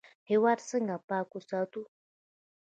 هیواد څنګه پاک وساتو؟